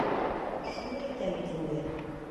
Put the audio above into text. Шуны әйтәм бит инде...